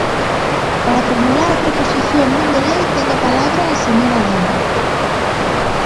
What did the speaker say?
Para formular a proposición non de lei, ten a palabra a señora Daira.